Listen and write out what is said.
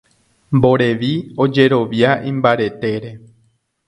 Mborevi ojerovia imbaretére.